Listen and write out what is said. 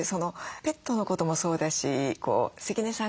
ペットのこともそうだし関根さん